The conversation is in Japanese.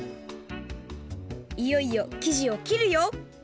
いよいよ生地をきるよ！